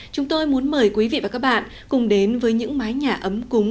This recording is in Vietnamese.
chúng tôi muốn mời quý vị và các bạn cùng đến với những mái nhà ấm cúng